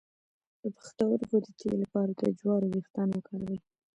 د پښتورګو د تیږې لپاره د جوارو ویښتان وکاروئ